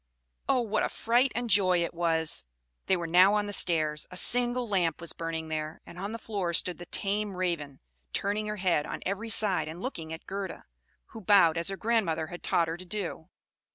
Oh, what a fright and a joy it was! They were now on the stairs. A single lamp was burning there; and on the floor stood the tame Raven, turning her head on every side and looking at Gerda, who bowed as her grandmother had taught her to do.